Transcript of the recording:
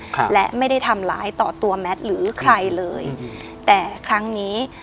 ครับและไม่ได้ทำร้ายต่อตัวแมทหรือใครเลยอืมแต่ครั้งนี้